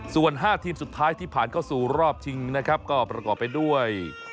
ส่วน๕ทีมสุดท้ายที่ผ่านเข้าสู่รอบชิงนะครับก็ประกอบไปด้วย